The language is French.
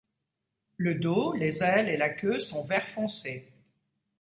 Le dos, les ailes et la queue sont vert foncé.